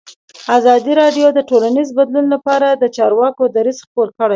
ازادي راډیو د ټولنیز بدلون لپاره د چارواکو دریځ خپور کړی.